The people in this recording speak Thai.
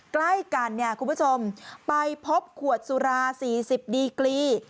ใกล้กันเนี่ยคุณผู้ชมไปพบขวดสุรา๔๐ดีกรี